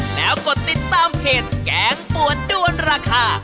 แล้วกดติดตามเพจแกงปวดด้วนราคา